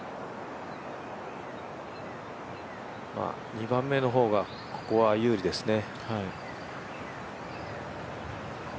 ２番目の方がここは有利ですね。